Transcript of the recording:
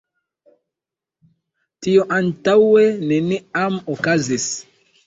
Tio antaŭe neniam okazis.